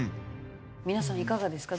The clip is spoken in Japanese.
皆さんいかがですか？